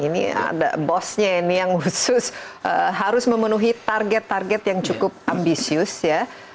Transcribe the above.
ini ada bosnya ini yang khusus harus memenuhi target target yang cukup ambisius ya